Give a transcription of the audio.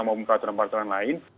maupun peraturan peraturan lain